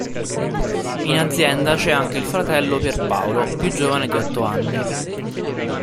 In azienda c'è anche il fratello Pierpaolo, più giovane di otto anni.